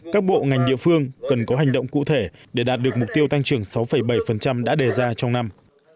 các bộ ngành địa phương cần có hành động cụ thể để đạt được mục tiêu tăng trưởng sáu bảy đã đề ra trong năm